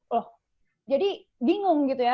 loh jadi bingung gitu ya